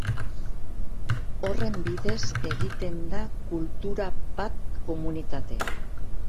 Horren bidez egiten da kultura bat komunitate.